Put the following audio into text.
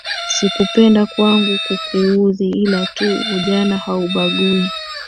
Si kupenda kwangu kukuudhi ila tu ujana haubagui.